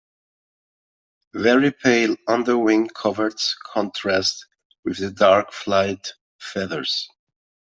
Very pale underwing coverts contrast with the dark flight feathers.